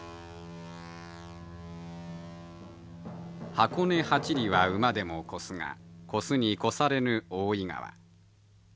「箱根八里は馬でも越すが越すに越されぬ大井川」。